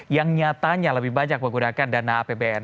yang nyatanya lebih banyak menggunakan dana apbn